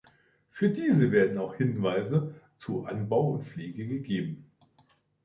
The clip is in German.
Für diese werden auch Hinweise zu Anbau und Pflege gegeben.